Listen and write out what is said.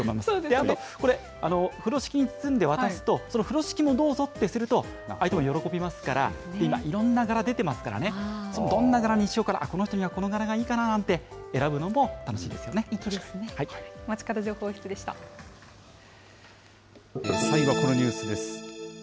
あと、これ、風呂敷に包んで渡すと、その風呂敷もどうぞってすると、相手も喜びますから、今、いろんな柄出てますからね、どんな柄にしようかな、この人にはこの柄がいいかななんて選ぶの粋ですね。